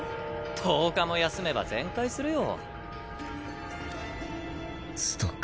１０日も休めば全快するよ。